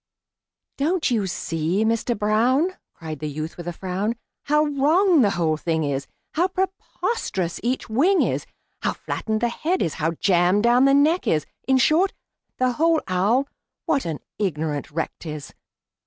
"Don't you see, Mister Brown," Cried the youth, with a frown, "How wrong the whole thing is, How preposterous each wing is, How flattened the head is, how jammed down the neck is In short, the whole owl, what an ignorant wreck 't is!